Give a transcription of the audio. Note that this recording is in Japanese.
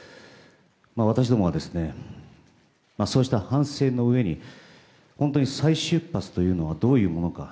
私どもは、そうした反省のうえに本当に再出発というのはどういうものか